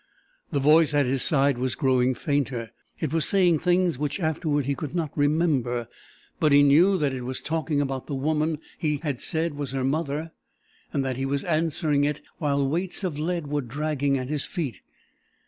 The voice at his side was growing fainter. It was saying things which afterward he could not remember, but he knew that it was talking about the woman he had said was her mother, and that he was answering it while weights of lead were dragging at his feet.